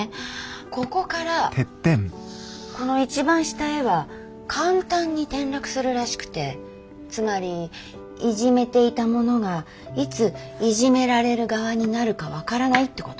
ここからこの一番下へは簡単に転落するらしくてつまりいじめていた者がいついじめられる側になるか分からないってこと。